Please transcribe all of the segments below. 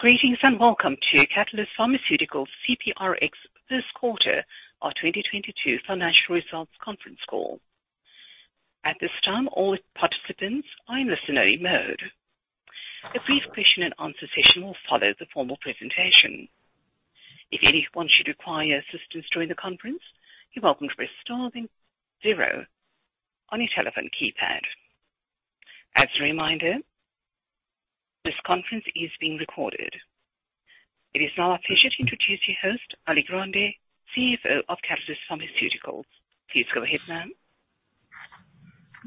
Greetings and welcome to Catalyst Pharmaceuticals CPRX first quarter of 2022 financial results conference call. At this time, all participants are in listen-only mode. A brief question-and-answer session will follow the formal presentation. If anyone should require assistance during the conference, you're welcome to press star then zero on your telephone keypad. As a reminder, this conference is being recorded. It is now my pleasure to introduce your host, Alicia Grande, CFO of Catalyst Pharmaceuticals. Please go ahead, ma'am.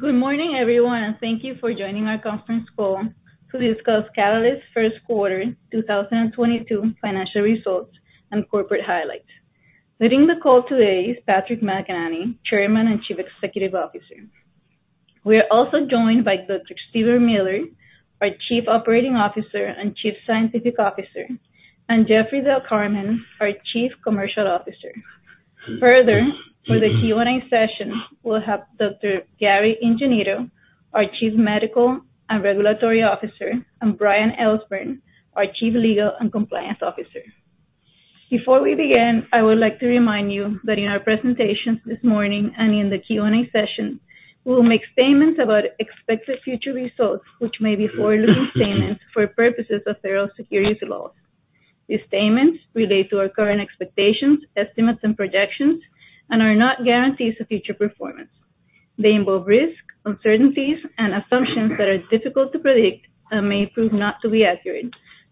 Good morning, everyone, and thank you for joining our conference call to discuss Catalyst's first quarter 2022 financial results and corporate highlights. Leading the call today is Patrick McEnany, Chairman and Chief Executive Officer. We are also joined by Dr. Steven Miller, our Chief Operating Officer and Chief Scientific Officer, and Jeffrey Del Carmen, our Chief Commercial Officer. Further, for the Q&A session, we'll have Dr. Gary Ingenito, our Chief Medical and Regulatory Officer, and Brian Elsbernd, our Chief Legal and Compliance Officer. Before we begin, I would like to remind you that in our presentations this morning and in the Q&A session, we will make statements about expected future results, which may be forward-looking statements for purposes of federal securities laws. These statements relate to our current expectations, estimates, and projections and are not guarantees of future performance. They involve risk, uncertainties, and assumptions that are difficult to predict and may prove not to be accurate,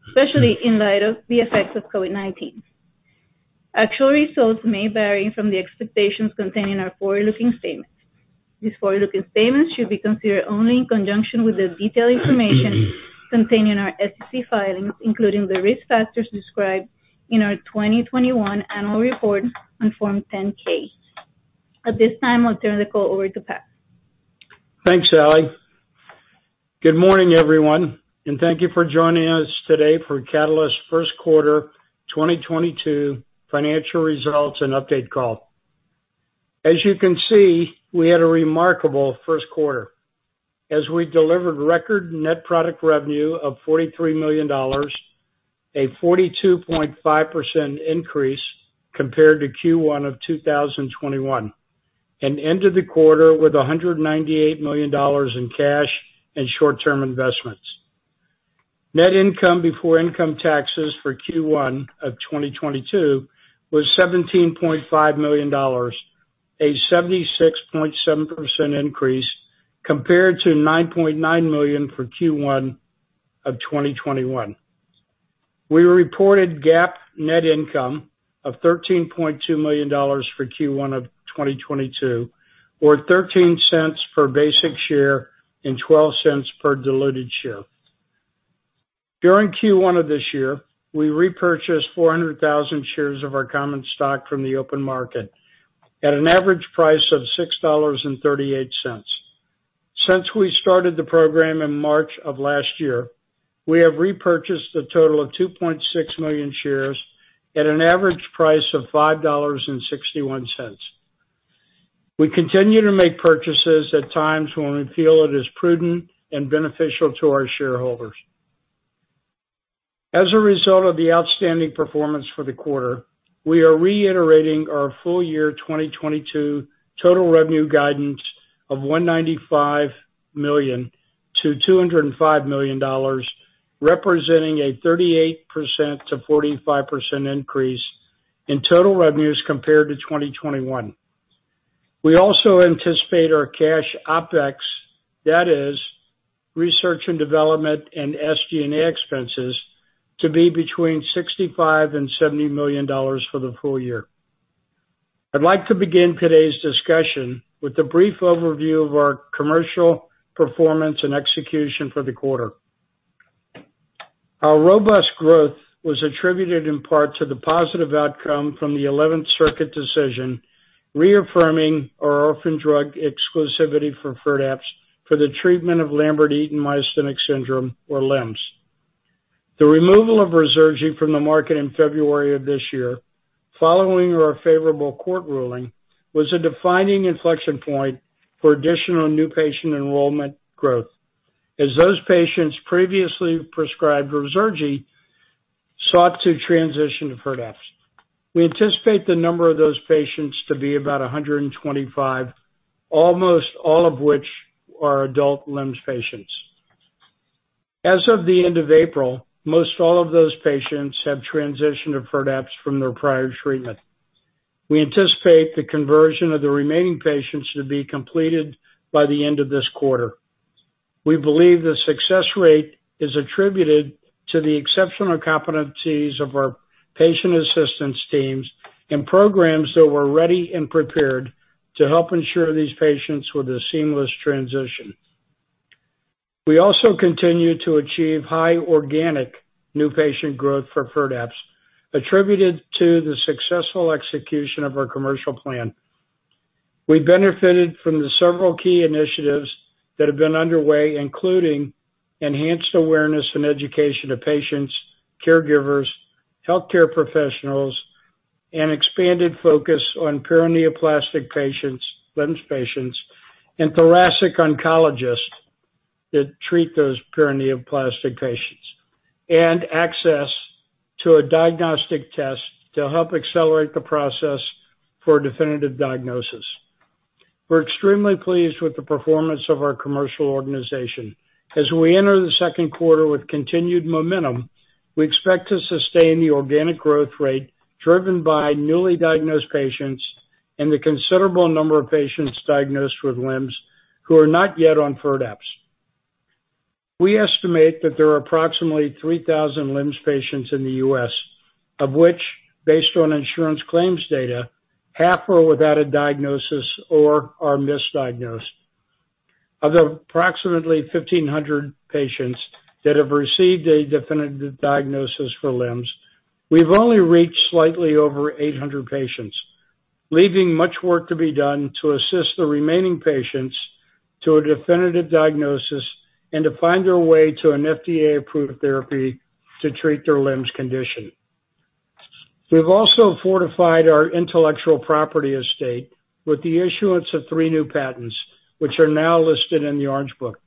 especially in light of the effects of COVID-19. Actual results may vary from the expectations contained in our forward-looking statements. These forward-looking statements should be considered only in conjunction with the detailed information contained in our SEC filings, including the risk factors described in our 2021 annual report on Form 10-K. At this time, I'll turn the call over to Pat. Thanks, Ali. Good morning, everyone, and thank you for joining us today for Catalyst's first quarter 2022 financial results and update call. As you can see, we had a remarkable first quarter as we delivered record net product revenue of $43 million, a 42.5% increase compared to Q1 of 2021, and ended the quarter with $198 million in cash and short-term investments. Net income before income taxes for Q1 of 2022 was $17.5 million, a 76.7% increase compared to $9.9 million for Q1 of 2021. We reported GAAP net income of $13.2 million for Q1 of 2022, or $0.13 per basic share and $0.12 per diluted share. During Q1 of this year, we repurchased 400,000 shares of our common stock from the open market at an average price of $6.38. Since we started the program in March of last year, we have repurchased a total of 2.6 million shares at an average price of $5.61. We continue to make purchases at times when we feel it is prudent and beneficial to our shareholders. As a result of the outstanding performance for the quarter, we are reiterating our full year 2022 total revenue guidance of $195 million-$205 million, representing a 38%-45% increase in total revenues compared to 2021. We also anticipate our cash OpEx, that is, research and development and SG&A expenses, to be between $65 million and $70 million for the full year. I'd like to begin today's discussion with a brief overview of our commercial performance and execution for the quarter. Our robust growth was attributed in part to the positive outcome from the Eleventh Circuit decision, reaffirming our orphan drug exclusivity for FIRDAPSE for the treatment of Lambert-Eaton myasthenic syndrome, or LEMS. The removal of Ruzurgi from the market in February of this year, following our favorable court ruling, was a defining inflection point for additional new patient enrollment growth as those patients previously prescribed Ruzurgi sought to transition to FIRDAPSE. We anticipate the number of those patients to be about 125, almost all of which are adult LEMS patients. As of the end of April, most all of those patients have transitioned to FIRDAPSE from their prior treatment. We anticipate the conversion of the remaining patients to be completed by the end of this quarter. We believe the success rate is attributed to the exceptional competencies of our patient assistance teams and programs that were ready and prepared to help ensure these patients with a seamless transition. We also continue to achieve high organic new patient growth for FIRDAPSE attributed to the successful execution of our commercial plan. We benefited from several key initiatives that have been underway, including enhanced awareness and education of patients, caregivers, healthcare professionals, an expanded focus on paraneoplastic patients, LEMS patients, and thoracic oncologists that treat those paraneoplastic patients, and access to a diagnostic test to help accelerate the process for a definitive diagnosis. We're extremely pleased with the performance of our commercial organization. As we enter the second quarter with continued momentum, we expect to sustain the organic growth rate driven by newly diagnosed patients and the considerable number of patients diagnosed with LEMS who are not yet on FIRDAPSE. We estimate that there are approximately 3,000 LEMS patients in the US, of which, based on insurance claims data, half are without a diagnosis or are misdiagnosed. Of the approximately 1,500 patients that have received a definitive diagnosis for LEMS, we've only reached slightly over 800 patients, leaving much work to be done to assist the remaining patients to a definitive diagnosis and to find their way to an FDA-approved therapy to treat their LEMS condition. We've also fortified our intellectual property estate with the issuance of 3 new patents, which are now listed in the Orange Book.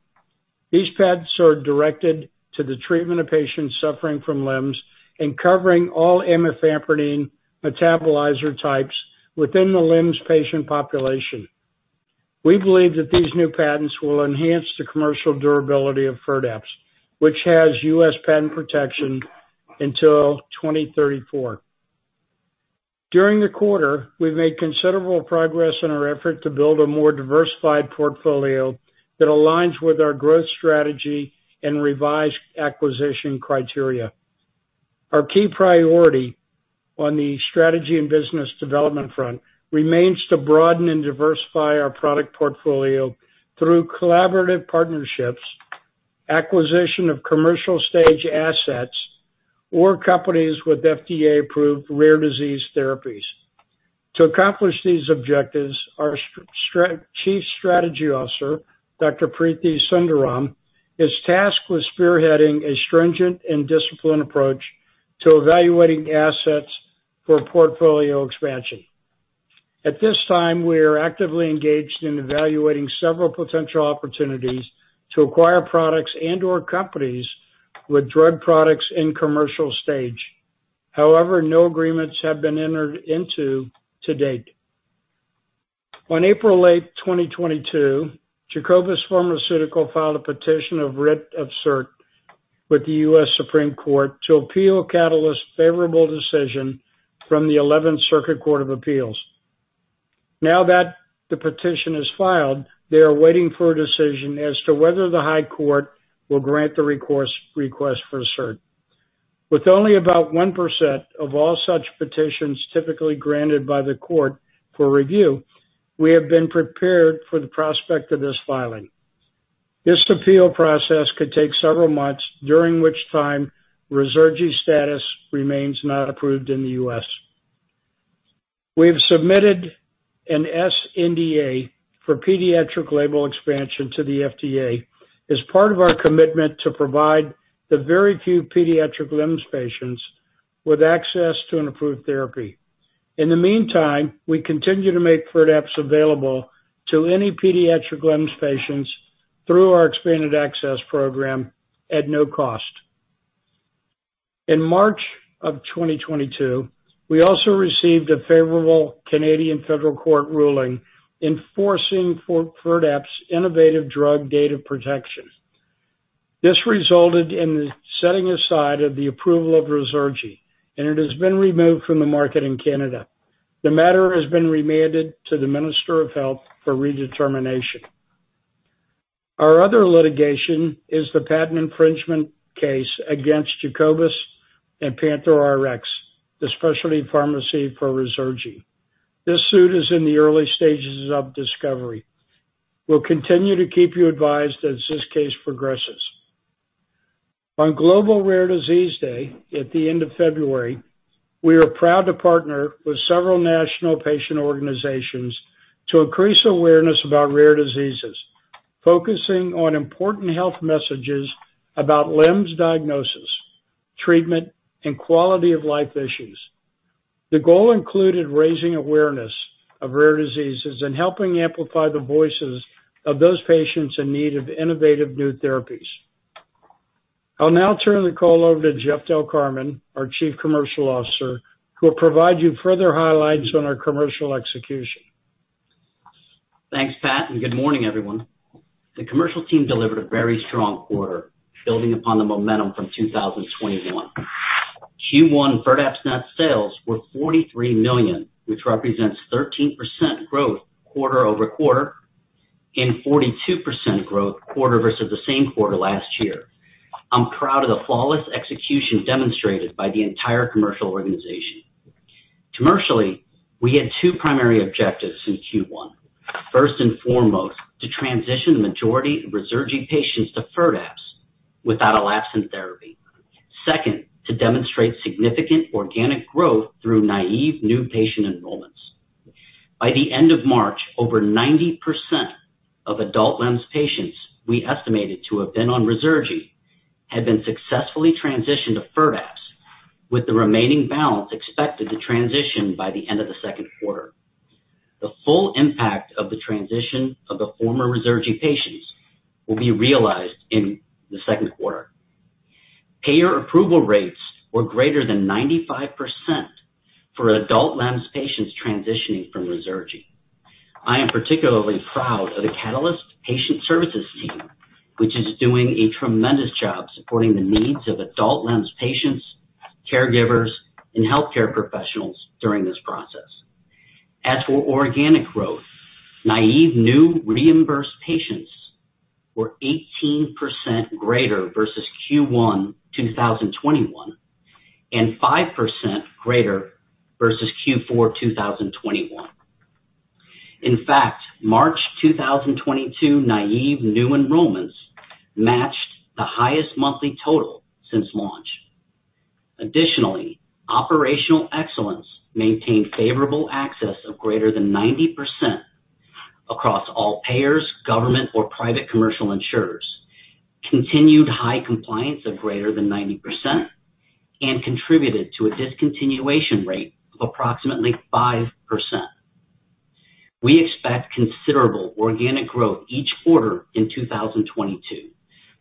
These patents are directed to the treatment of patients suffering from LEMS and covering all amifampridine metabolizer types within the LEMS patient population. We believe that these new patents will enhance the commercial durability of FIRDAPSE, which has US patent protection until 2034. During the quarter, we've made considerable progress in our effort to build a more diversified portfolio that aligns with our growth strategy and revised acquisition criteria. Our key priority on the strategy and business development front remains to broaden and diversify our product portfolio through collaborative partnerships, acquisition of commercial stage assets or companies with FDA-approved rare disease therapies. To accomplish these objectives, our Chief Strategy Officer, Dr. Preethi Sundaram, is tasked with spearheading a stringent and disciplined approach to evaluating assets for portfolio expansion. At this time, we are actively engaged in evaluating several potential opportunities to acquire products and/or companies with drug products in commercial stage. However, no agreements have been entered into to date. On April 8, 2022, Jacobus Pharmaceutical filed a petition of Writ of Cert with the US Supreme Court to appeal Catalyst's favorable decision from the Eleventh Circuit Court of Appeals. Now that the petition is filed, they are waiting for a decision as to whether the High Court will grant the request for cert. With only about 1% of all such petitions typically granted by the Court for review, we have been prepared for the prospect of this filing. This appeal process could take several months, during which time Ruzurgi's status remains not approved in the US. We have submitted an sNDA for pediatric label expansion to the FDA as part of our commitment to provide the very few pediatric LEMS patients with access to an approved therapy. In the meantime, we continue to make FIRDAPSE available to any pediatric LEMS patients through our expanded access program at no cost. In March of 2022, we also received a favorable Canadian federal court ruling enforcing for FIRDAPSE innovative drug data protection. This resulted in the setting aside of the approval of Ruzurgi, and it has been removed from the market in Canada. The matter has been remanded to the Minister of Health for redetermination. Our other litigation is the patent infringement case against Jacobus and PANTHERx Rare, the specialty pharmacy for Ruzurgi. This suit is in the early stages of discovery. We'll continue to keep you advised as this case progresses. On Rare Disease Day at the end of February, we are proud to partner with several national patient organizations to increase awareness about rare diseases, focusing on important health messages about LEMS diagnosis, treatment, and quality of life issues. The goal included raising awareness of rare diseases and helping amplify the voices of those patients in need of innovative new therapies. I'll now turn the call over to Jeff Del Carmen, our Chief Commercial Officer, who will provide you further highlights on our commercial execution. Thanks, Pat, and good morning, everyone. The commercial team delivered a very strong quarter, building upon the momentum from 2021. Q1 FIRDAPSE net sales were $43 million, which represents 13% growth quarter-over-quarter and 42% growth year-over-year. I'm proud of the flawless execution demonstrated by the entire commercial organization. Commercially, we had 2 primary objectives in Q1. First and foremost, to transition the majority of Ruzurgi patients to FIRDAPSE without a lapse in therapy. Second, to demonstrate significant organic growth through naive new patient enrollments. By the end of March, over 90% of adult LEMS patients we estimated to have been on Ruzurgi had been successfully transitioned to FIRDAPSE, with the remaining balance expected to transition by the end of the second quarter. The full impact of the transition of the former Ruzurgi patients will be realized in the second quarter. Payer approval rates were greater than 95% for adult LEMS patients transitioning from Ruzurgi. I am particularly proud of the Catalyst patient services team, which is doing a tremendous job supporting the needs of adult LEMS patients, caregivers, and healthcare professionals during this process. As for organic growth, naive new reimbursed patients were 18% greater versus Q1 2021, and 5% greater versus Q4 2021. In fact, March 2022 naive new enrollments matched the highest monthly total since launch. Additionally, operational excellence maintained favorable access of greater than 90% across all payers, government or private commercial insurers. Continued high compliance of greater than 90% and contributed to a discontinuation rate of approximately 5%. We expect considerable organic growth each quarter in 2022,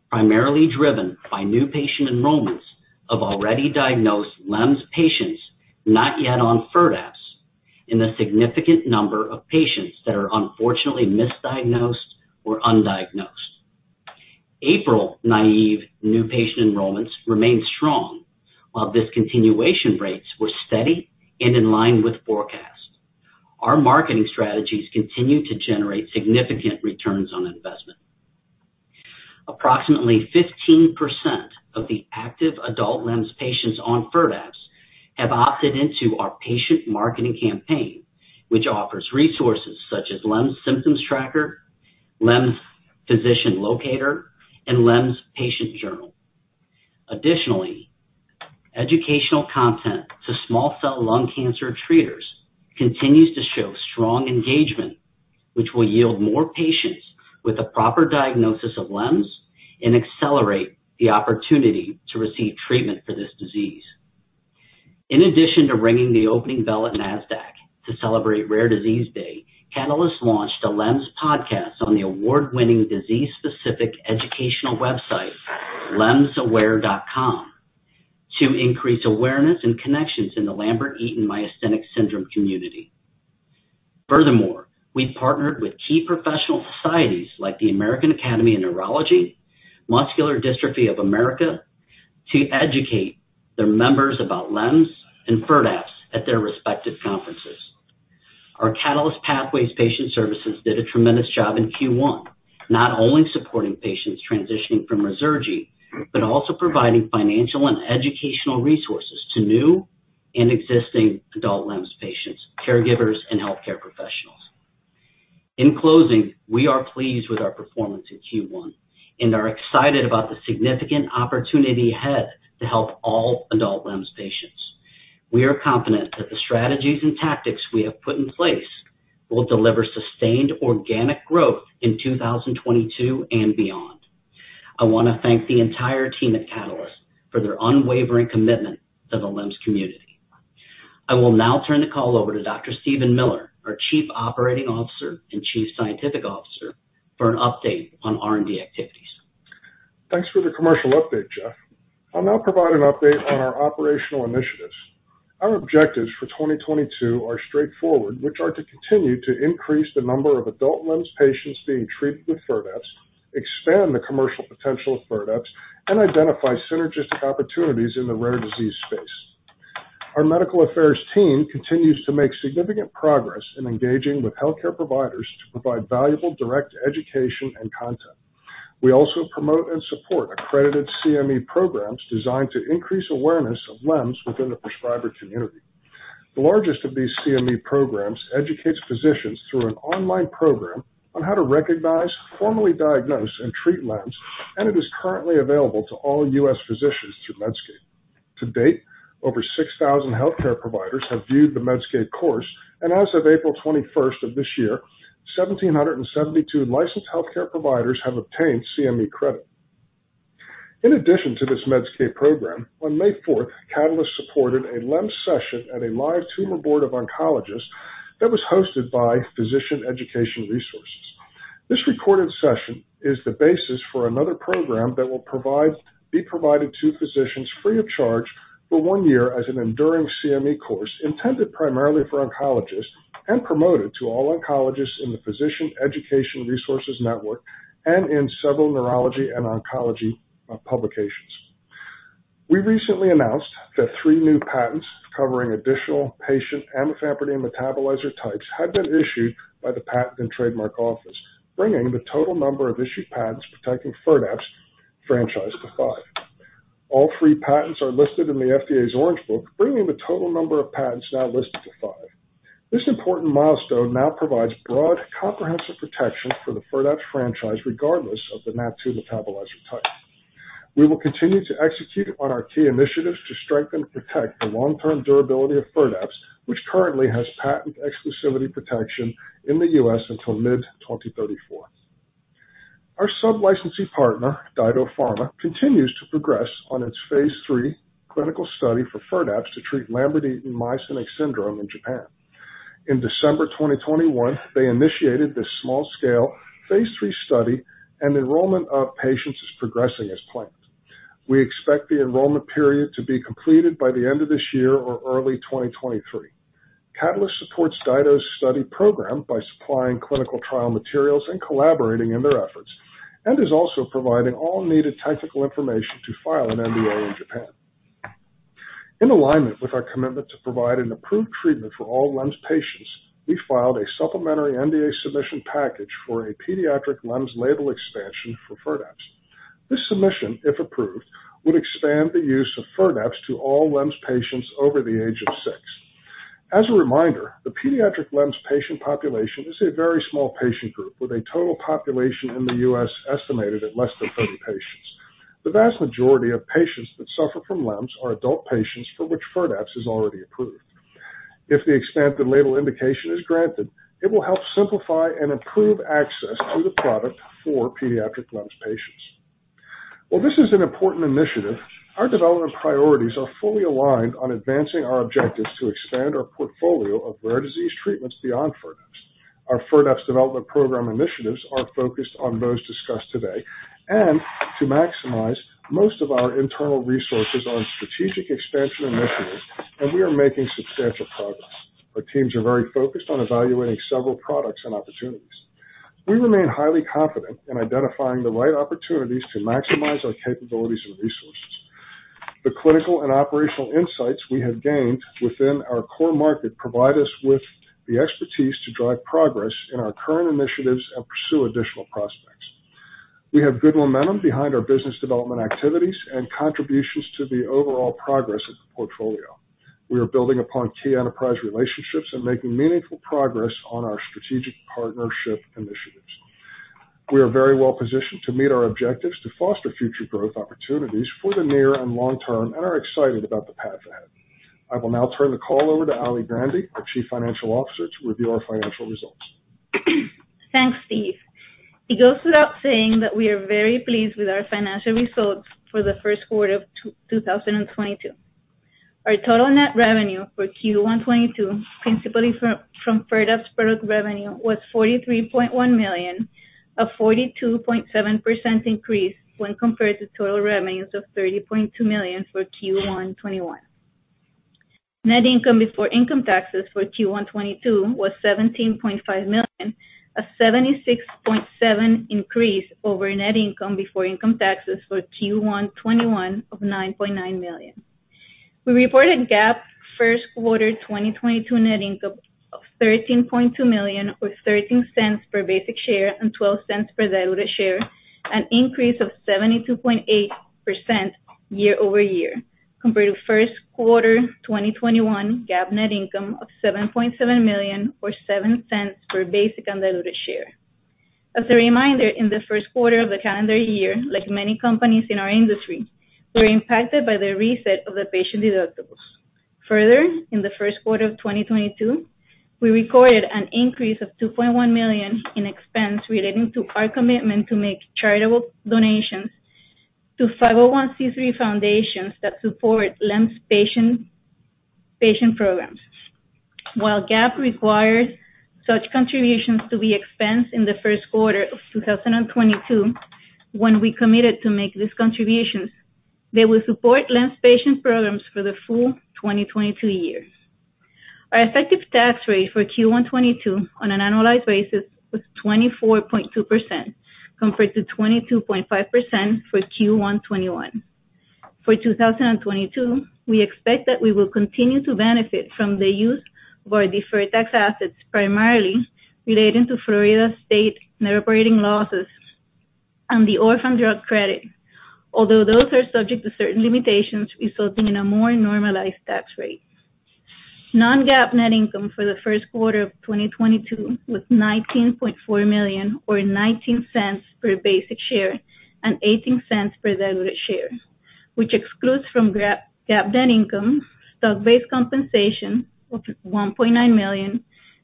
primarily driven by new patient enrollments of already diagnosed LEMS patients not yet on FIRDAPSE, and the significant number of patients that are unfortunately misdiagnosed or undiagnosed. April naive new patient enrollments remained strong, while discontinuation rates were steady and in line with forecast. Our marketing strategies continue to generate significant returns on investment. Approximately 15% of the active adult LEMS patients on FIRDAPSE have opted into our patient marketing campaign, which offers resources such as LEMS Symptoms Tracker, LEMS Physician Locator, and LEMS Patient Journal. Additionally, educational content to small cell lung cancer treaters continues to show strong engagement, which will yield more patients with a proper diagnosis of LEMS and accelerate the opportunity to receive treatment for this disease. In addition to ringing the opening bell at Nasdaq to celebrate Rare Disease Day, Catalyst launched a LEMS podcast on the award-winning disease-specific educational website, LEMSaware.com, to increase awareness and connections in the Lambert-Eaton myasthenic syndrome community. Furthermore, we partnered with key professional societies like the American Academy of Neurology, Muscular Dystrophy Association to educate their members about LEMS and FIRDAPSE at their respective conferences. Our Catalyst Pathways Patient Services did a tremendous job in Q1, not only supporting patients transitioning from Ruzurgi, but also providing financial and educational resources to new and existing adult LEMS patients, caregivers, and healthcare professionals. In closing, we are pleased with our performance in Q1 and are excited about the significant opportunity ahead to help all adult LEMS patients. We are confident that the strategies and tactics we have put in place will deliver sustained organic growth in 2022 and beyond. I want to thank the entire team at Catalyst for their unwavering commitment to the LEMS community. I will now turn the call over to Dr. Steven Miller, our Chief Operating Officer and Chief Scientific Officer, for an update on R&D activities. Thanks for the commercial update, Jeff. I'll now provide an update on our operational initiatives. Our objectives for 2022 are straightforward, which are to continue to increase the number of adult LEMS patients being treated with FIRDAPSE, expand the commercial potential of FIRDAPSE, and identify synergistic opportunities in the rare disease space. Our medical affairs team continues to make significant progress in engaging with healthcare providers to provide valuable direct education and content. We also promote and support accredited CME programs designed to increase awareness of LEMS within the prescriber community. The largest of these CME programs educates physicians through an online program on how to recognize, formally diagnose, and treat LEMS, and it is currently available to all US physicians through Medscape. To date, over 6,000 healthcare providers have viewed the Medscape course, and as of April 21st of this year, 1,772 licensed healthcare providers have obtained CME credit. In addition to this Medscape program, on May 4th, Catalyst supported a LEMS session at a live tumor board of oncologists that was hosted by Physicians' Education Resource. This recorded session is the basis for another program that will be provided to physicians free of charge for one year as an enduring CME course intended primarily for oncologists and promoted to all oncologists in the Physicians' Education Resource network and in several neurology and oncology publications. We recently announced that 3 new patents covering additional patient amifampridine metabolizer types had been issued by the Patent and Trademark Office, bringing the total number of issued patents protecting FIRDAPSE franchise to 5. All three patents are listed in the FDA's Orange Book, bringing the total number of patents now listed to 5. This important milestone now provides broad, comprehensive protection for the FIRDAPSE franchise, regardless of the NAT2 metabolizer type. We will continue to execute on our key initiatives to strengthen and protect the long-term durability of FIRDAPSE, which currently has patent exclusivity protection in the US until mid-2034. Our sub-licensee partner, DyDo Pharma, continues to progress on its phase 3 clinical study for FIRDAPSE to treat Lambert-Eaton myasthenic syndrome in Japan. In December 2021, they initiated the small scale phase 3 study, and enrollment of patients is progressing as planned. We expect the enrollment period to be completed by the end of this year or early 2023. Catalyst supports DyDo's study program by supplying clinical trial materials and collaborating in their efforts, and is also providing all needed technical information to file an NDA in Japan. In alignment with our commitment to provide an approved treatment for all LEMS patients, we filed a supplemental NDA submission package for a pediatric LEMS label expansion for FIRDAPSE. This submission, if approved, would expand the use of FIRDAPSE to all LEMS patients over the age of 6. As a reminder, the pediatric LEMS patient population is a very small patient group, with a total population in the US estimated at less than 30 patients. The vast majority of patients that suffer from LEMS are adult patients for which FIRDAPSE is already approved. If the expanded label indication is granted, it will help simplify and improve access to the product for pediatric LEMS patients. While this is an important initiative, our development priorities are fully aligned on advancing our objectives to expand our portfolio of rare disease treatments beyond FIRDAPSE. Our FIRDAPSE development program initiatives are focused on those discussed today, and to maximize most of our internal resources on strategic expansion initiatives, and we are making substantial progress. Our teams are very focused on evaluating several products and opportunities. We remain highly confident in identifying the right opportunities to maximize our capabilities and resources. The clinical and operational insights we have gained within our core market provide us with the expertise to drive progress in our current initiatives and pursue additional prospects. We have good momentum behind our business development activities and contributions to the overall progress of the portfolio. We are building upon key enterprise relationships and making meaningful progress on our strategic partnership initiatives. We are very well-positioned to meet our objectives to foster future growth opportunities for the near and long-term, and are excited about the path ahead. I will now turn the call over to Alicia Grande, our Chief Financial Officer, to review our financial results. Thanks, Steve. It goes without saying that we are very pleased with our financial results for the first quarter of 2022. Our total net revenue for Q1 2022, principally from FIRDAPSE product revenue, was $43.1 million, a 42.7% increase when compared to total revenues of $30.2 million for Q1 2021. Net income before income taxes for Q1 2022 was $17.5 million, a 76.7% increase over net income before income taxes for Q1 2021 of $9.9 million. We reported GAAP first quarter 2022 net income of $13.2 million or $0.13 per basic share and $0.12 per diluted share, an increase of 72.8% year-over-year compared to first quarter 2021 GAAP net income of $7.7 million or $0.07 per basic and diluted share. As a reminder, in the first quarter of the calendar year, like many companies in our industry, we were impacted by the reset of the patient deductibles. Further, in the first quarter of 2022, we recorded an increase of $2.1 million in expense relating to our commitment to make charitable donations to 501(c)(3) foundations that support LEMS patient programs. While GAAP requires such contributions to be expensed in the first quarter of 2022, when we committed to make these contributions, they will support LEMS patient programs for the full 2022 year. Our effective tax rate for Q1 2022 on an annualized basis was 24.2% compared to 22.5% for Q1 2021. For 2022, we expect that we will continue to benefit from the use of our deferred tax assets, primarily relating to Florida State net operating losses and the Orphan Drug Credit, although those are subject to certain limitations resulting in a more normalized tax rate. Non-GAAP net income for the first quarter of 2022 was $19.4 million or $0.19 per basic share and $0.18 per diluted share, which excludes from GAAP net income stock-based compensation of $1.9 million,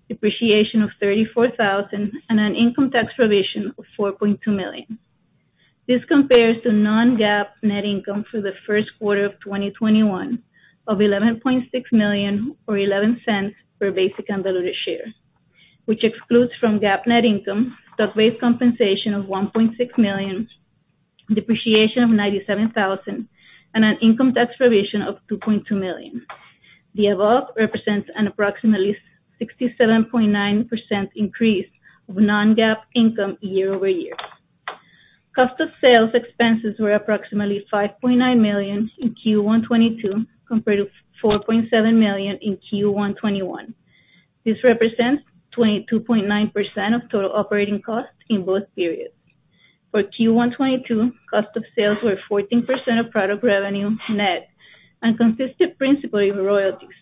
depreciation of $34,000, and an income tax provision of $4.2 million. This compares to non-GAAP net income for the first quarter of 2021 of $11.6 million or $0.11 per basic and diluted share, which excludes from GAAP net income stock-based compensation of $1.6 million, depreciation of $97,000, and an income tax provision of $2.2 million. The above represents an approximately 67.9% increase of non-GAAP income year over year. Cost of sales expenses were approximately $5.9 million in Q1 2022, compared to $4.7 million in Q1 2021. This represents 22.9% of total operating costs in both periods. For Q1 2022, cost of sales were 14% of product revenue net and consisted principally of royalties.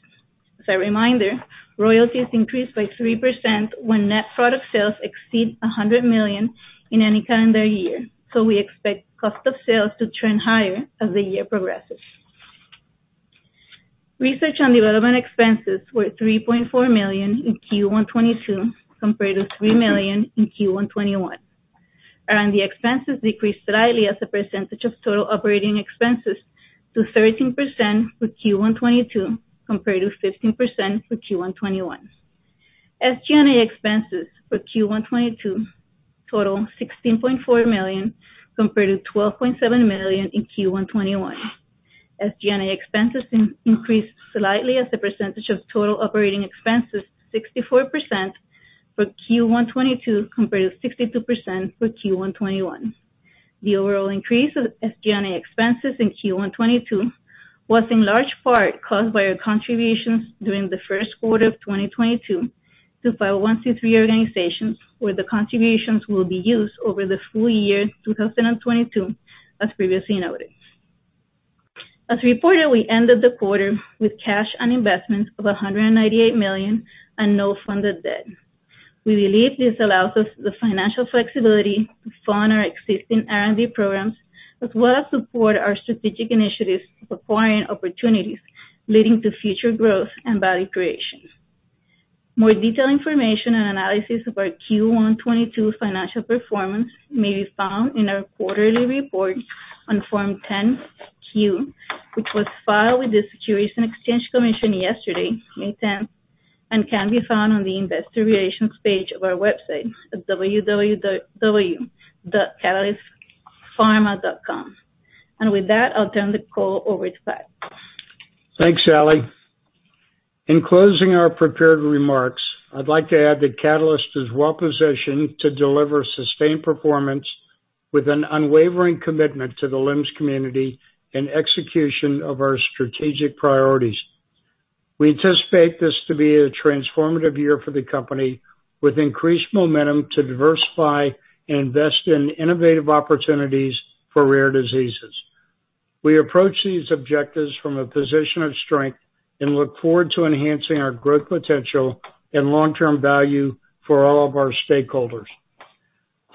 As a reminder, royalties increase by 3% when net product sales exceed $100 million in any calendar year. We expect cost of sales to trend higher as the year progresses. Research and development expenses were $3.4 million in Q1 2022 compared to $3 million in Q1 2021. R&D expenses decreased slightly as a percentage of total operating expenses to 13% for Q1 2022 compared to 15% for Q1 2021. SG&A expenses for Q1 2022 total $16.4 million compared to $12.7 million in Q1 2021. SG&A expenses increased slightly as a percentage of total operating expenses, 64% for Q1 2022 compared to 62% for Q1 2021. The overall increase of SG&A expenses in Q1 2022 was in large part caused by our contributions during the first quarter of 2022 to 501(c)(3) organizations, where the contributions will be used over the full year 2022, as previously noted. As reported, we ended the quarter with cash and investments of $198 million and no funded debt. We believe this allows us the financial flexibility to fund our existing R&D programs, as well as support our strategic initiatives to acquire opportunities leading to future growth and value creation. More detailed information and analysis of our Q1 2022 financial performance may be found in our quarterly report on Form 10-Q, which was filed with the Securities and Exchange Commission yesterday, May 10, and can be found on the investor relations page of our website at www.catalystpharma.com. With that, I'll turn the call over to Pat. Thanks, Ali. In closing our prepared remarks, I'd like to add that Catalyst is well positioned to deliver sustained performance with an unwavering commitment to the LEMS community and execution of our strategic priorities. We anticipate this to be a transformative year for the company, with increased momentum to diversify and invest in innovative opportunities for rare diseases. We approach these objectives from a position of strength and look forward to enhancing our growth potential and long-term value for all of our stakeholders.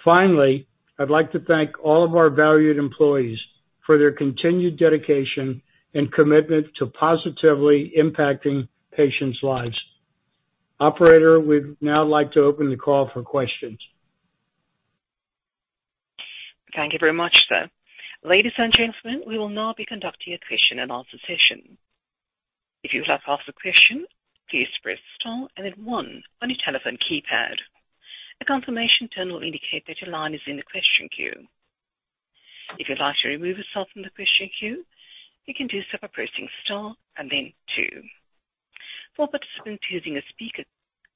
Finally, I'd like to thank all of our valued employees for their continued dedication and commitment to positively impacting patients' lives. Operator, we'd now like to open the call for questions. Thank you very much, sir. Ladies and gentlemen, we will now be conducting a question and answer session. If you would like to ask a question, please press star and then one on your telephone keypad. A confirmation tone will indicate that your line is in the question queue. If you'd like to remove yourself from the question queue, you can do so by pressing star and then two. For participants using a speaker,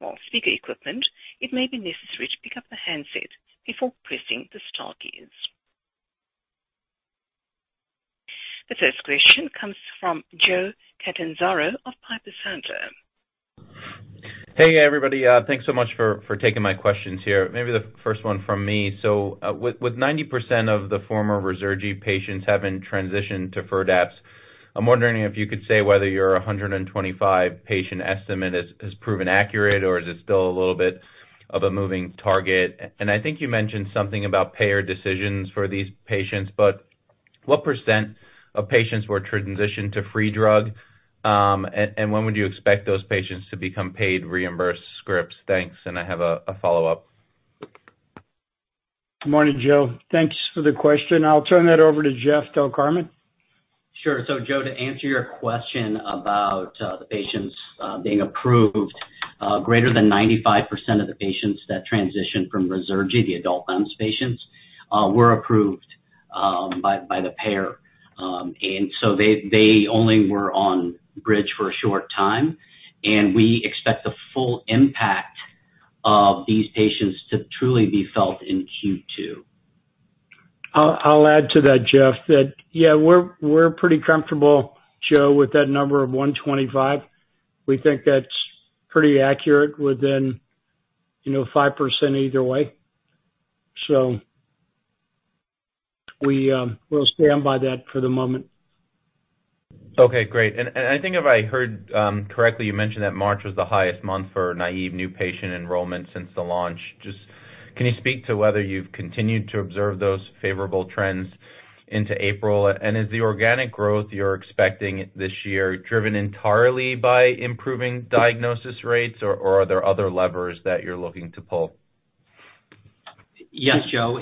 or speaker equipment, it may be necessary to pick up the handset before pressing the star keys. The first question comes from Joe Catanzaro of Piper Sandler. Hey, everybody. Thanks so much for taking my questions here. Maybe the first one from me. With 90% of the former Ruzurgi patients having transitioned to FIRDAPSE, I'm wondering if you could say whether your 125 patient estimate has proven accurate, or is it still a little bit of a moving target? And I think you mentioned something about payer decisions for these patients, but what % of patients were transitioned to free drug? And when would you expect those patients to become paid reimbursed scripts? Thanks, and I have a follow-up. Morning, Joe. Thanks for the question. I'll turn that over to Jeff Del Carmen. Sure. Joe, to answer your question about the patients being approved greater than 95% of the patients that transitioned from Ruzurgi, the adult LEMS patients were approved by the payer. They only were on bridge for a short time, and we expect the full impact of these patients to truly be felt in Q2. I'll add to that, Jeff, yeah, we're pretty comfortable, Joe, with that number of $125. We think that's pretty accurate within, you know, 5% either way. We'll stand by that for the moment. Okay, great. I think if I heard correctly, you mentioned that March was the highest month for naive new patient enrollment since the launch. Just can you speak to whether you've continued to observe those favorable trends into April? Is the organic growth you're expecting this year driven entirely by improving diagnosis rates, or are there other levers that you're looking to pull? Yes, Joe,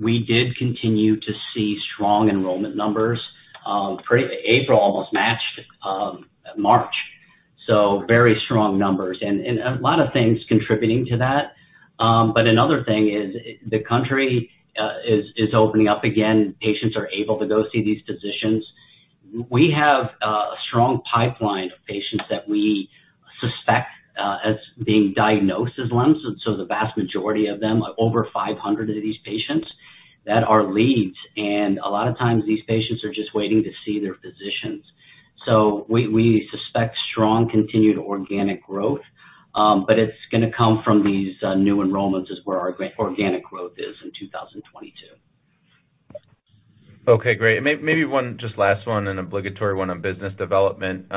we did continue to see strong enrollment numbers. April almost matched March, so very strong numbers and a lot of things contributing to that. Another thing is the country is opening up again. Patients are able to go see these physicians. We have a strong pipeline of patients that we suspect as being diagnosed as LEMS. The vast majority of them, over 500 of these patients, that are leads, and a lot of times these patients are just waiting to see their physicians. We suspect strong continued organic growth, but it's gonna come from these new enrollments is where our organic growth is in 2022. Okay, great. Maybe one just last one, an obligatory one on business development.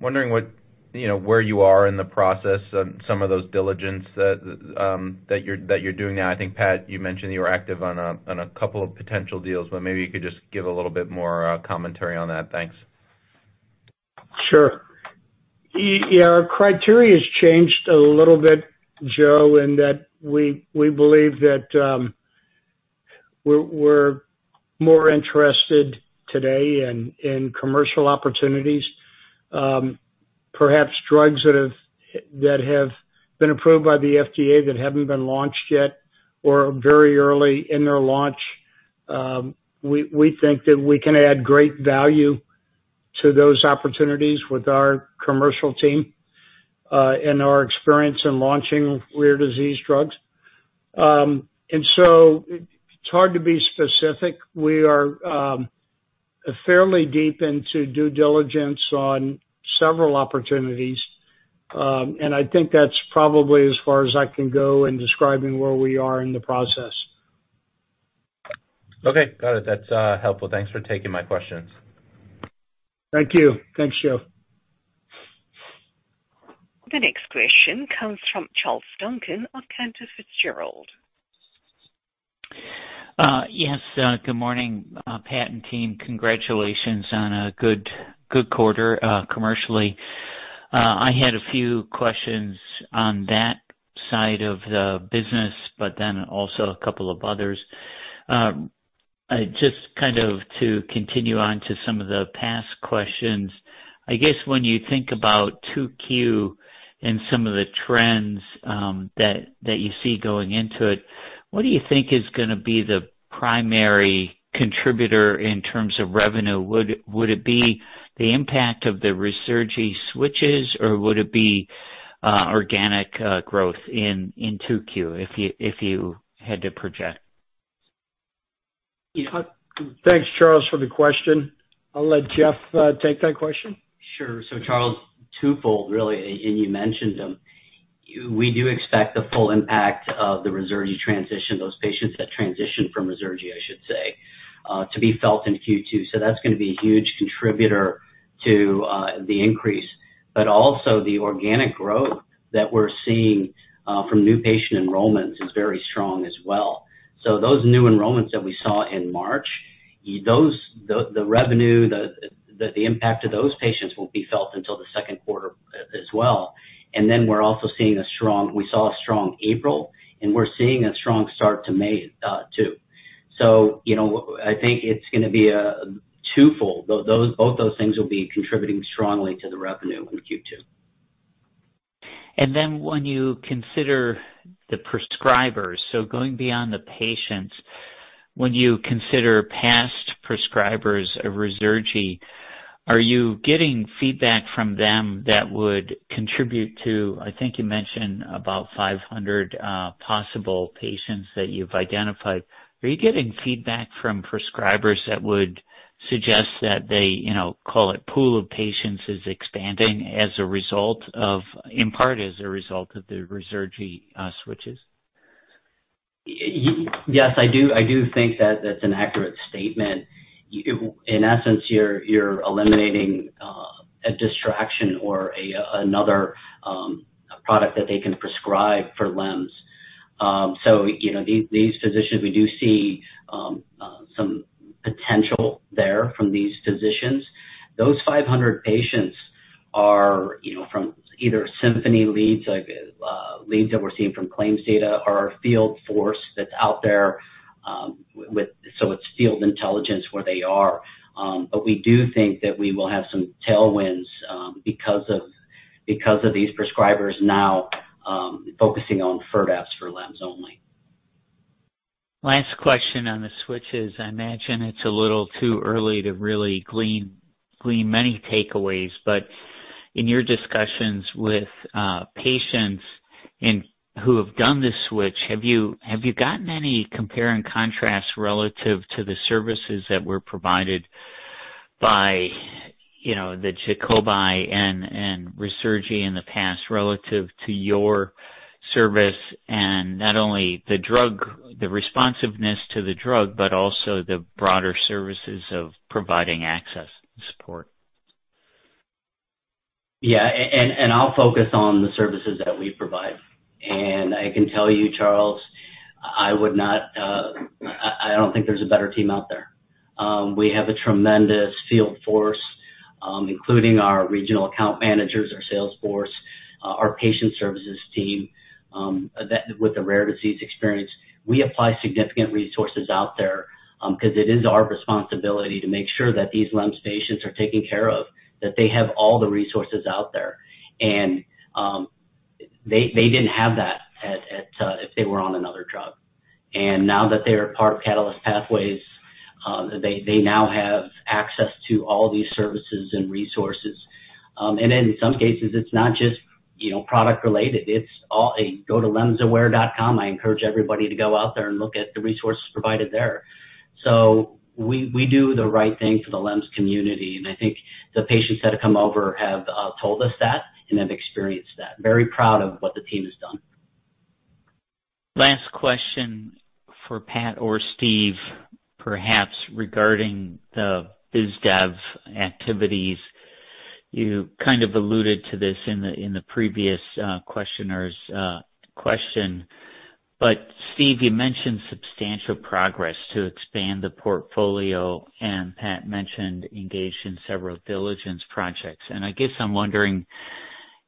Wondering what, you know, where you are in the process on some of those diligence that you're doing now. I think, Pat, you mentioned you were active on a couple of potential deals, but maybe you could just give a little bit more commentary on that. Thanks. Sure. Yeah, our criteria has changed a little bit, Joe, in that we believe that we're more interested today in commercial opportunities, perhaps drugs that have been approved by the FDA that haven't been launched yet or are very early in their launch. We think that we can add great value to those opportunities with our commercial team and our experience in launching rare disease drugs. It's hard to be specific. We are fairly deep into due diligence on several opportunities. I think that's probably as far as I can go in describing where we are in the process. Okay, got it. That's helpful. Thanks for taking my questions. Thank you. Thanks, Joe. The next question comes from Charles Duncan of Cantor Fitzgerald. Yes, good morning, Pat and team. Congratulations on a good quarter, commercially. I had a few questions on that side of the business, but then also a couple of others. Just kind of to continue on to some of the past questions. I guess when you think about 2Q and some of the trends that you see going into it, what do you think is gonna be the primary contributor in terms of revenue? Would it be the impact of the Ruzurgi switches, or would it be organic growth in 2Q if you had to project? Yeah. Thanks, Charles, for the question. I'll let Jeff take that question. Sure. Charles, twofold really, and you mentioned them. We do expect the full impact of the Ruzurgi transition, those patients that transition from Ruzurgi, I should say, to be felt in Q2. That's gonna be a huge contributor to the increase. Also the organic growth that we're seeing from new patient enrollments is very strong as well. Those new enrollments that we saw in March, the revenue, the impact of those patients won't be felt until the second quarter as well. Then we're also seeing we saw a strong April, and we're seeing a strong start to May, too. You know, I think it's gonna be a twofold. Both those things will be contributing strongly to the revenue in Q2. When you consider the prescribers, so going beyond the patients, when you consider past prescribers of Ruzurgi, are you getting feedback from them that would contribute to, I think you mentioned about 500 possible patients that you've identified. Are you getting feedback from prescribers that would suggest that they, you know, call it pool of patients is expanding as a result of in part, as a result of the Ruzurgi switches? Yes, I do. I do think that that's an accurate statement. In essence, you're eliminating a distraction or another product that they can prescribe for LEMS. You know, these physicians, we do see some potential there from these physicians. Those 500 patients are, you know, from either Symphony leads, like leads that we're seeing from claims data or our field force that's out there, so it's field intelligence where they are. We do think that we will have some tailwinds because of these prescribers now focusing on FIRDAPSE for LEMS only. Last question on the switches. I imagine it's a little too early to really glean many takeaways, but in your discussions with patients who have done this switch, have you gotten any compare and contrast relative to the services that were provided by, you know, the Jacobus and Ruzurgi in the past relative to your service and not only the drug, the responsiveness to the drug, but also the broader services of providing access and support? I'll focus on the services that we provide. I can tell you, Charles, I don't think there's a better team out there. We have a tremendous field force, including our regional account managers, our sales force, our patient services team that with the rare disease experience. We apply significant resources out there, 'cause it is our responsibility to make sure that these LEMS patients are taken care of, that they have all the resources out there. They didn't have that if they were on another drug. Now that they are part of Catalyst Pathways, they now have access to all these services and resources. In some cases, it's not just, you know, product related. It's all. Go to LEMSaware.com. I encourage everybody to go out there and look at the resources provided there. We do the right thing for the LEMS community, and I think the patients that have come over have told us that and have experienced that. Very proud of what the team has done. Last question for Pat or Steve, perhaps regarding the biz dev activities. You kind of alluded to this in the previous questioner's question. Steve, you mentioned substantial progress to expand the portfolio, and Pat mentioned engaged in several diligence projects. I guess I'm wondering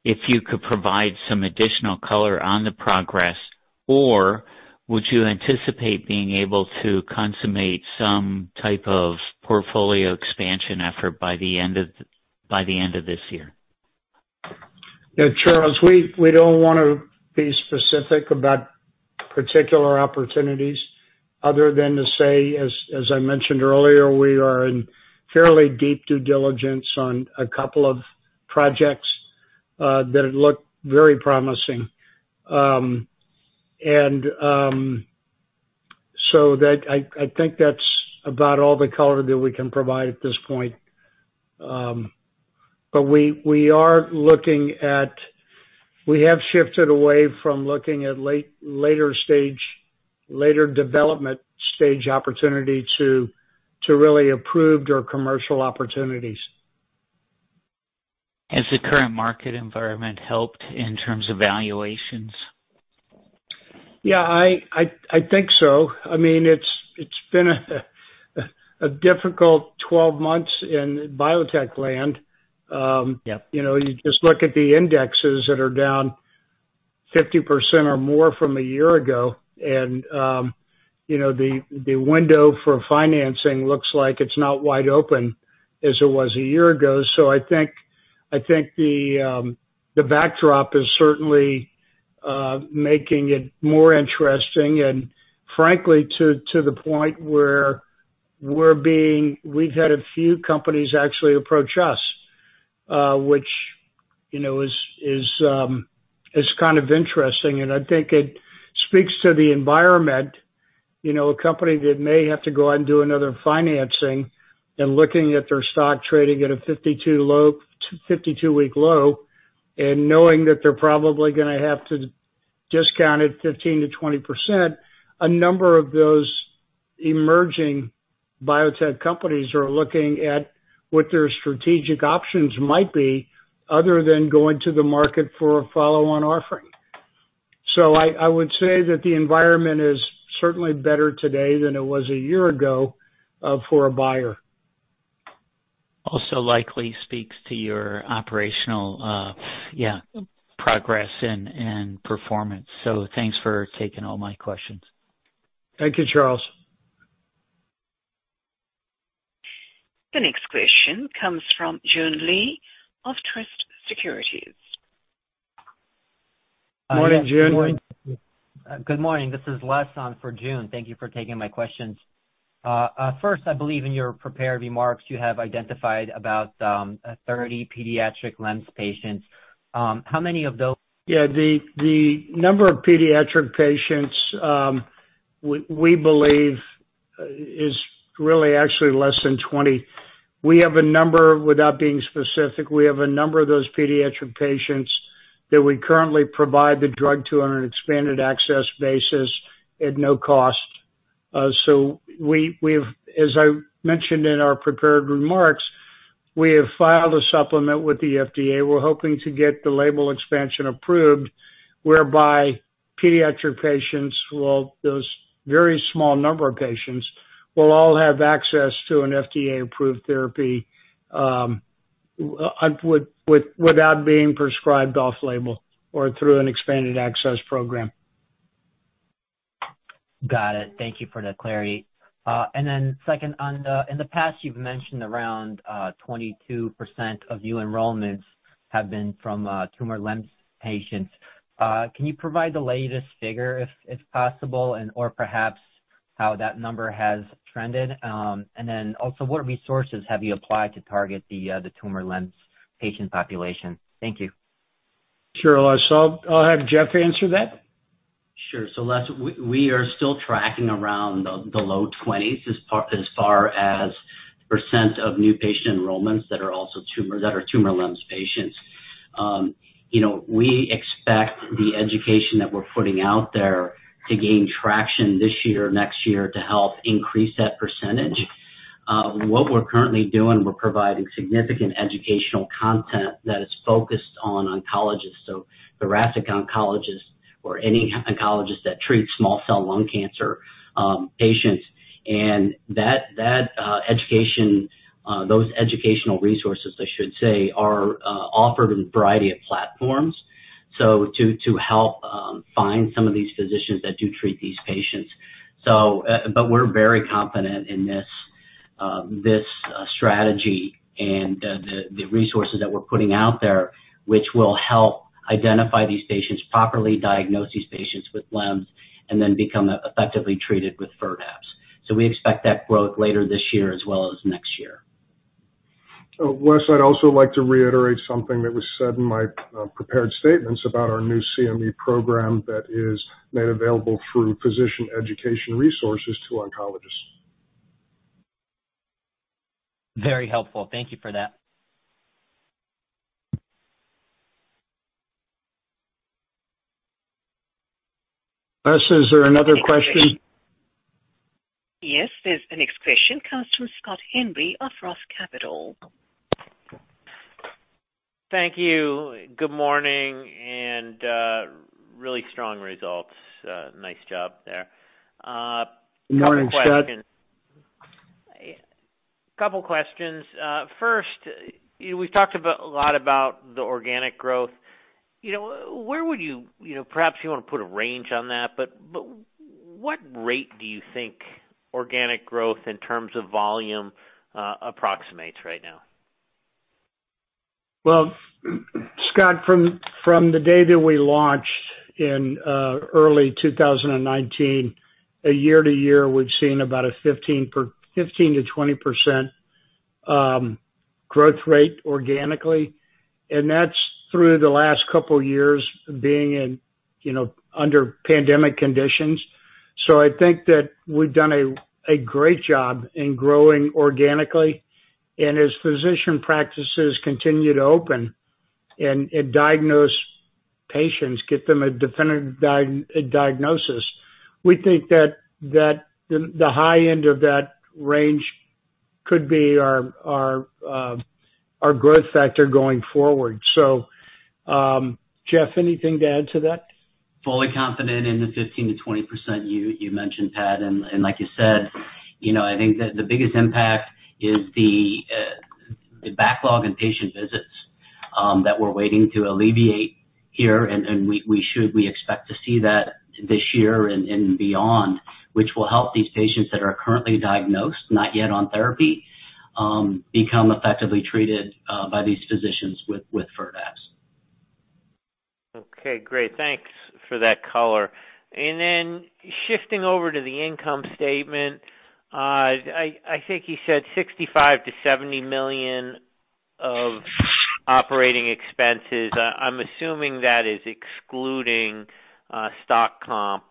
if you could provide some additional color on the progress, or would you anticipate being able to consummate some type of portfolio expansion effort by the end of this year? Yeah, Charles, we don't wanna be specific about particular opportunities other than to say, as I mentioned earlier, we are in fairly deep due diligence on a couple of projects that look very promising. I think that's about all the color that we can provide at this point. We have shifted away from looking at later stage, later development stage opportunity to really approved or commercial opportunities. Has the current market environment helped in terms of valuations? Yeah, I think so. I mean, it's been a difficult 12 months in biotech land. Yeah. You know, you just look at the indexes that are down 50% or more from a year ago. You know, the window for financing looks like it's not wide open as it was a year ago. I think the backdrop is certainly making it more interesting, and frankly, to the point where we've had a few companies actually approach us, which, you know, is kind of interesting. I think it speaks to the environment, you know, a company that may have to go out and do another financing and looking at their stock trading at a 52-week low, and knowing that they're probably gonna have to discount it 15%-20%, a number of those emerging biotech companies are looking at what their strategic options might be other than going to the market for a follow-on offering. I would say that the environment is certainly better today than it was a year ago for a buyer. Also likely speaks to your operational progress and performance. Thanks for taking all my questions. Thank you, Charles. The next question comes from Joon Lee of Truist Securities. Morning, Joon. Good morning. This is Les on for Joon. Thank you for taking my questions. First, I believe in your prepared remarks you have identified about 30 pediatric LEMS patients. How many of those- Yeah. The number of pediatric patients we believe is really actually less than 20. We have a number, without being specific, we have a number of those pediatric patients that we currently provide the drug to on an expanded access basis at no cost. We've, as I mentioned in our prepared remarks, we have filed a supplement with the FDA. We're hoping to get the label expansion approved, whereby pediatric patients will, those very small number of patients, will all have access to an FDA-approved therapy, without being prescribed off-label or through an expanded access program. Got it. Thank you for the clarity. Second, in the past, you've mentioned around 22% of your enrollments have been from tumor LEMS patients. Can you provide the latest figure if possible and/or perhaps how that number has trended? What resources have you applied to target the tumor LEMS patient population? Thank you. Sure, Les. I'll have Jeff answer that. Sure. Les, we are still tracking around the low 20s% of new patient enrollments that are tumor LEMS patients. You know, we expect the education that we're putting out there to gain traction this year, next year to help increase that percentage. What we're currently doing, we're providing significant educational content that is focused on oncologists, so thoracic oncologists or any oncologist that treats small cell lung cancer patients. That education, those educational resources, I should say, are offered in a variety of platforms to help find some of these physicians that do treat these patients. We're very confident in this strategy and the resources that we're putting out there, which will help identify these patients, properly diagnose these patients with LEMS, and then become effectively treated with FIRDAPSE. We expect that growth later this year as well as next year. Les, I'd also like to reiterate something that was said in my prepared statements about our new CME program that is made available through Physicians' Education Resource to oncologists. Very helpful. Thank you for that. Les, is there another question? Yes, there's the next question comes from Scott Henry of Roth Capital. Thank you. Good morning, and really strong results. Nice job there. Morning, Scott. Couple questions. First, we've talked a lot about the organic growth. You know, perhaps you wanna put a range on that, but what rate do you think organic growth in terms of volume approximates right now? Well, Scott, from the day that we launched in early 2019, year-to-year, we've seen about a 15%-20% growth rate organically. That's through the last couple years being in, you know, under pandemic conditions. I think that we've done a great job in growing organically. As physician practices continue to open and diagnose patients, get them a definitive diagnosis, we think that the high end of that range could be our growth factor going forward. Jeff, anything to add to that? Fully confident in the 15%-20% you mentioned, Pat. Like you said, you know, I think that the biggest impact is the backlog in patient visits that we're waiting to alleviate here. We expect to see that this year and beyond, which will help these patients that are currently diagnosed, not yet on therapy, become effectively treated by these physicians with FIRDAPSE. Okay, great. Thanks for that color. Shifting over to the income statement. I think you said $65 million-$70 million of operating expenses. I'm assuming that is excluding stock comp.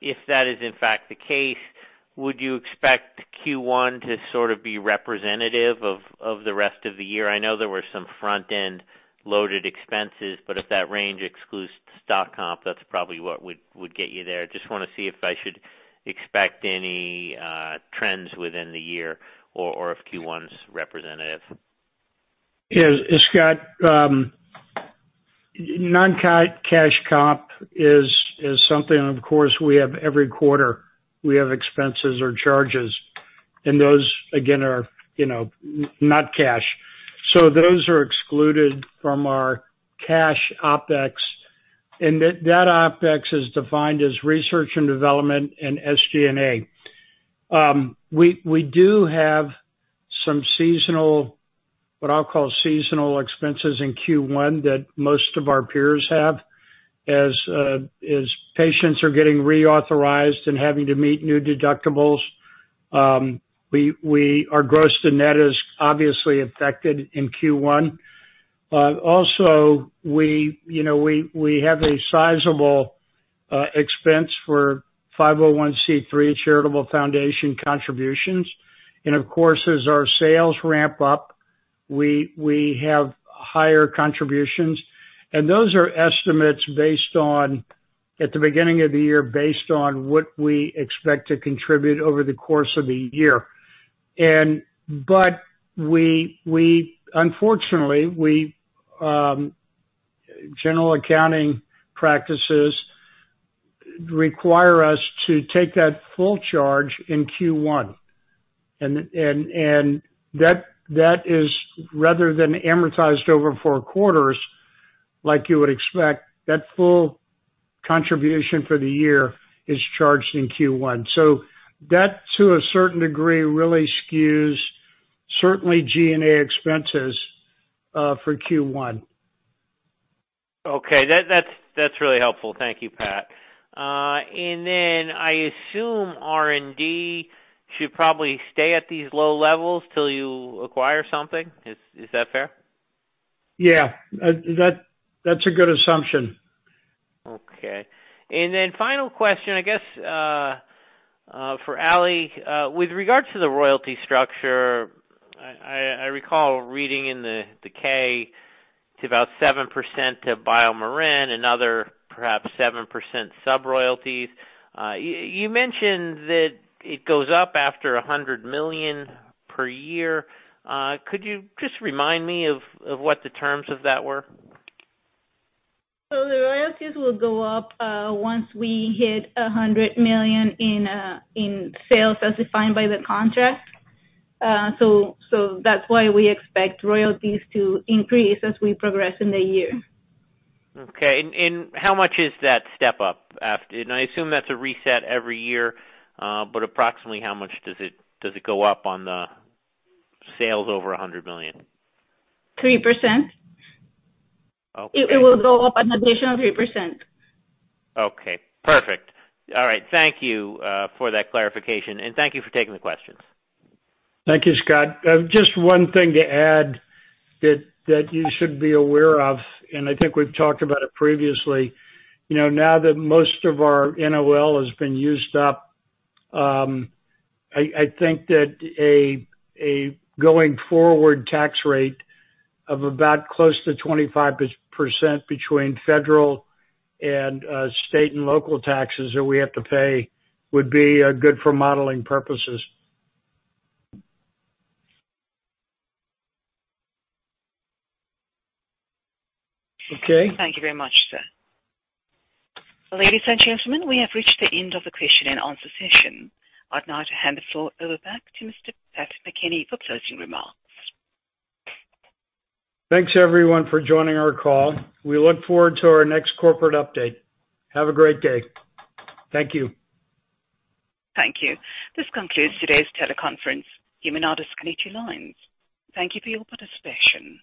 If that is in fact the case, would you expect Q1 to sort of be representative of the rest of the year? I know there were some front-end loaded expenses, but if that range excludes stock comp, that's probably what would get you there. Just wanna see if I should expect any trends within the year or if Q1's representative. Yeah. Scott, non-cash comp is something of course we have every quarter. We have expenses or charges, and those again are, you know, not cash. Those are excluded from our cash OpEx. That OpEx is defined as research and development and SG&A. We do have some seasonal, what I'll call seasonal expenses in Q1 that most of our peers have. As patients are getting reauthorized and having to meet new deductibles, our gross to net is obviously affected in Q1. Also, you know, we have a sizable expense for 501(c)(3) charitable foundation contributions. Of course, as our sales ramp up, we have higher contributions. Those are estimates based on, at the beginning of the year, based on what we expect to contribute over the course of the year. But unfortunately, general accounting practices require us to take that full charge in Q1. That is, rather than amortized over four quarters, like you would expect, that full contribution for the year is charged in Q1. That, to a certain degree, really skews, certainly G&A expenses for Q1. Okay. That's really helpful. Thank you, Pat. And then I assume R&D should probably stay at these low levels till you acquire something. Is that fair? Yeah. That's a good assumption. Okay. Then final question, I guess, for Ali. With regards to the royalty structure, I recall reading in the 10-K about 7% to BioMarin and other perhaps 7% sub-royalties. You mentioned that it goes up after 100 million per year. Could you just remind me of what the terms of that were? The royalties will go up once we hit $100 million in sales as defined by the contract. That's why we expect royalties to increase as we progress in the year. Okay. How much is that step up after? I assume that's a reset every year, but approximately how much does it go up on the sales over $100 million? 3%. Okay. It will go up an additional 3%. Okay. Perfect. All right. Thank you for that clarification, and thank you for taking the questions. Thank you, Scott. Just one thing to add that you should be aware of, and I think we've talked about it previously. You know, now that most of our NOL has been used up, I think that a going forward tax rate of about close to 25% between federal and state and local taxes that we have to pay would be good for modeling purposes. Okay. Thank you very much, sir. Ladies and gentlemen, we have reached the end of the question and answer session. I'd like to hand the floor over back to Mr. Patrick McEnany for closing remarks. Thanks everyone for joining our call. We look forward to our next corporate update. Have a great day. Thank you. Thank you. This concludes today's teleconference. You may now disconnect your lines. Thank you for your participation.